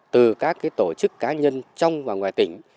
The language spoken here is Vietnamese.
từ các tổ chức cá nhân trong và ngoài tỉnh